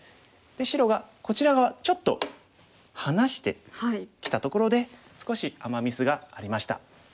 白がこちら側ちょっと離してきたところで少しアマ・ミスがありました。